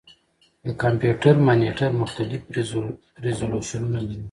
د کمپیوټر مانیټر مختلف ریزولوشنونه لري.